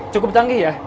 cukup canggih ya